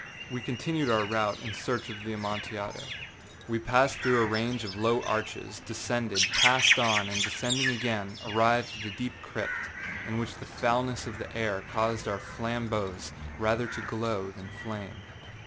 We continued our route in search of the Amontillado. We passed through a range of low arches, descended, passed on, and descending again, arrived at a deep crypt, in which the foulness of the air caused our flambeaux rather to glow than flame.